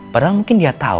padahal mungkin dia tau